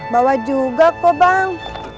bawa juga kok bang